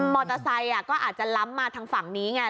มอเตอร์ไซค์ก็อาจจะล้ำมาทางฝั่งนี้ไง